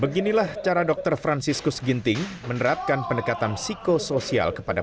beginilah cara dokter franciscus ginting menerapkan pendekatan psikosoial kepada